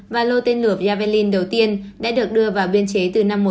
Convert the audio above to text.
và lô tên lửa javelin đầu tiên đã được đưa vào biên chế từ năm một nghìn chín trăm chín mươi sáu